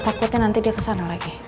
takutnya nanti dia kesana lagi